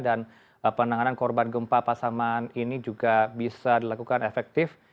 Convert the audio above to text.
dan penanganan korban gempa pasaman ini juga bisa dilakukan efektif